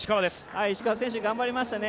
石川選手、頑張りましたね。